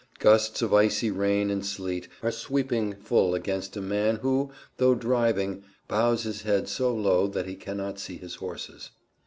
Gusts of icy rain and sleet are sweeping full against a man who, though driving, bows his head so low that he cannot see his horses.